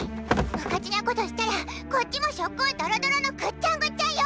うかちゅなことしちゃらこっちもそっこードロドロのぐっちゃんぐっちゃんよ！